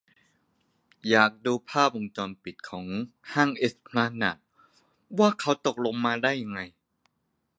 อยากดูรูปวงจรปิดของเอสพลานาดว่าตกลงมาได้ยังไง